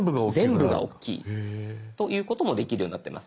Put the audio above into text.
全部がおっきい。ということもできるようになってます。